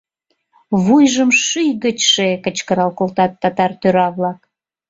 — Вуйжым шӱй гычше! — кычкырал колтат татар тӧра-влак.